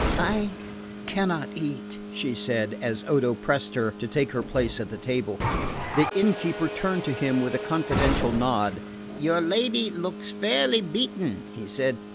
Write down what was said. "I cannot eat," she said, as Odo pressed her to take her place at the table. The innkeeper turned to him with a confidential nod. "Your lady looks fairly beaten," he said.